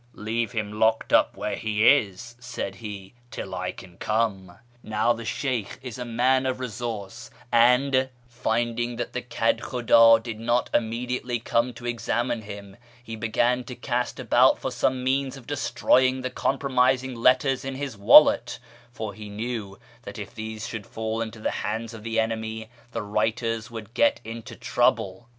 ' Leave him locked up where he is,' said he, ' till I can come.' Now the Sheykh is a man of resource, and, finding that the KIRMAN SOCIETY 483 hed Miudd did not immediately come to examine him, he began to cast about for some means of destroying the compromising letters in his wallet ; for he knew that if these should fall into the hands of the enemy the writers would get into trouble.